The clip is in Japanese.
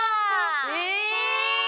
え！